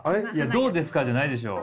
「どうですか？」じゃないでしょう。